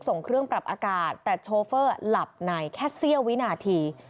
ส่งเครื่องปรับอากาศแต่โชเฟอร์หลับในแค่เสี้ยววินาที